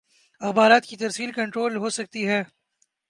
اخبارات کی ترسیل کنٹرول ہو سکتی ہے۔